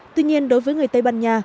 tuy nhiên đối với người tây ban nha